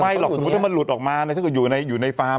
ไม่หรอกถ้ามันหลุดออกมาอยู่ในฟาร์ม